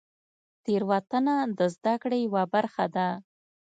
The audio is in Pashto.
تېروتنه د زدهکړې یوه برخه ده.